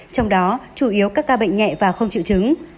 trong đó chủ yếu các ca bệnh nhẹ và không chịu chứng